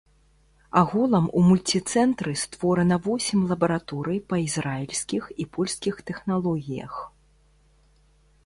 Агулам у мульціцэнтры створана восем лабараторый па ізраільскіх і польскіх тэхналогіях.